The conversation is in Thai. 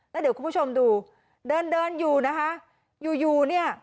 แล้วเดี๋ยวคุณผู้ชมดูเดินเดินอยู่นะคะอยู่อยู่เนี่ย